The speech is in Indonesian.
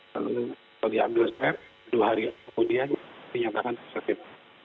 lalu diambil swab dua hari kemudian dinyatakan positif